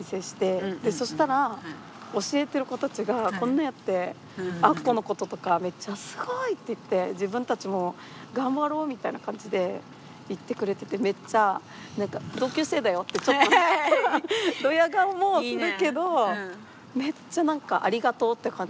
そしたら教えてる子たちがこんなんやってあっこのこととか「めっちゃすごい！」って言って「自分たちも頑張ろう！」みたいな感じで言ってくれててめっちゃ何か「同級生だよ」ってちょっとドヤ顔もするけどめっちゃ何かありがとうって感じ。